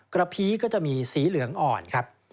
พีก็จะมีสีเหลืองอ่อนครับ